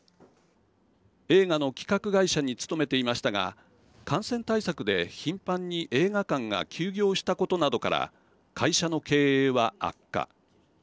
映画の企画会社に勤めていましたが感染対策で頻繁に映画館が休業したことなどから会社の経営は悪化。